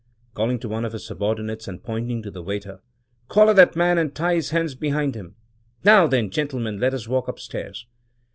(calling to one of the subordinates, and pointing to the waiter) collar that man and tie his hands behind him. Now, then, gentlemen, let us walk upstairs!"